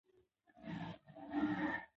کلتور, ژبه ، اداب، رسم رواج ډېر ښه پکې بيان شوي